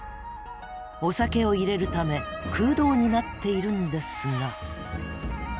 お酒を入れるため空洞になっているんですが。